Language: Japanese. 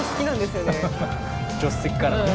助手席からのね。